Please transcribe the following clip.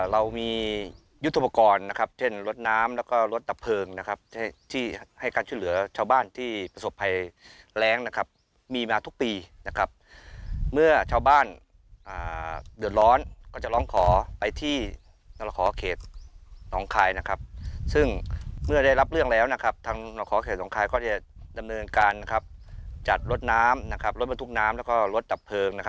รถประทุกข์น้ำและรถดับเพลิง